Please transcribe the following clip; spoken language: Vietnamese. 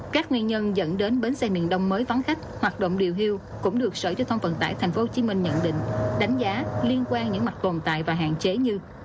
các nguyên nhân dẫn đến bến xe miền đông mới vắng khách hoạt động điều hiệu cũng được sở chế thông phận tải tp hcm nhận định đánh giá liên quan những mặt còn tại và hạn chế như